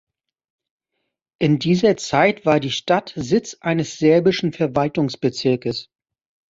In dieser Zeit war die Stadt Sitz eines serbischen Verwaltungsbezirkes.